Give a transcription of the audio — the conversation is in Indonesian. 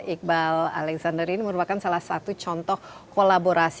iqbal alexander ini merupakan salah satu contoh kolaborasi